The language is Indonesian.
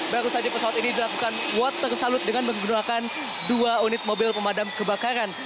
baru saja pesawat ini dilakukan water salut dengan menggunakan dua unit mobil pemadam kebakaran